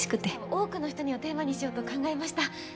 多くの人にをテーマにしようと考えました